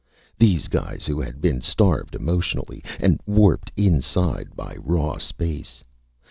These guys who had been starved emotionally, and warped inside by raw space.